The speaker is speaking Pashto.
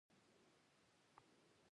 ډاکتران پر دې باور وو چې دی به نه څه واوري.